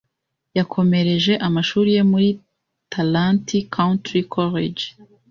yakomereje amashuri ye muri Tarrant country College